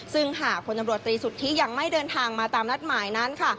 ซึ่งหากพลตำรวจตรีสุทธิยังไม่เดินทางมาตามนัดหมายนั้นค่ะ